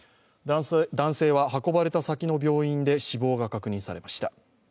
男性は運ばれた先の病院で死亡が確認されました。